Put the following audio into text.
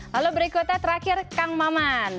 lalu berikutnya terakhir kang maman